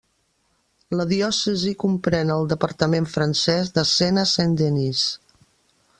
La diòcesi comprèn el departament francès de Sena Saint-Denis.